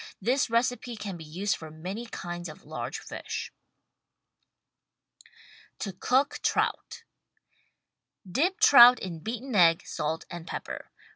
This recipe can be used for many kinds of large fish. TO COOK TROUT Dip trout in beaten egg, salt and pepper.